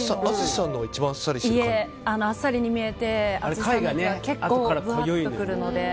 あっさりに見えて淳さんのやつは結構ぶわっとくるので。